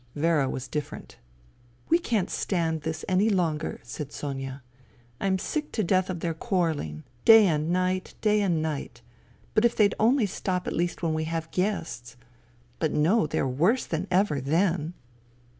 Vera was different. " We can't stand this any longer," said Sonia. " I am sick to death of their quarrelling. Day and night, day and night. ... If they'd only stop at least when we have guests. But no, they are worse than ever then."